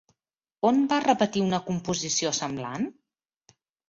On va repetir una composició semblant?